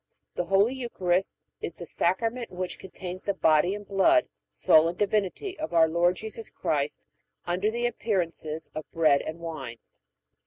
The Holy Eucharist is the Sacrament which contains the body and blood, soul and divinity, of our Lord Jesus Christ under the appearances of bread and wine.